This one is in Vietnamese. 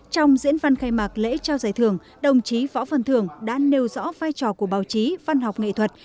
trong diễn văn khai mạc lễ trao giải thưởng đồng chí võ văn thường đã nêu rõ vai trò của báo chí văn học nghệ thuật